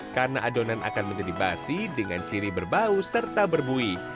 karena adonan akan menjadi basi dengan ciri berbau serta berbuih